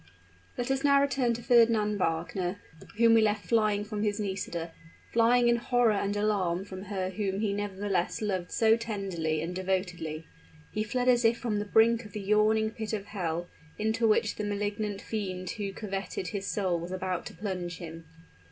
Let us now return to Fernand Wagner, whom we left flying from his Nisida, flying in horror and alarm from her whom he nevertheless loved so tenderly and devotedly. He fled as if from the brink of the yawning pit of hell, into which the malignant fiend who coveted his soul was about to plunge him.